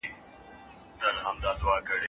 هر يو افغان مي د زړه سر دي